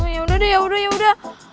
ya udah deh yaudah ya udah